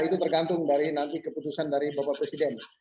itu tergantung dari nanti keputusan dari bapak presiden